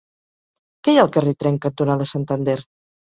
Què hi ha al carrer Tren cantonada Santander?